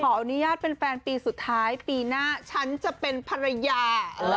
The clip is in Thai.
ขออนุญาตเป็นแฟนปีสุดท้ายปีหน้าฉันจะเป็นภรรยา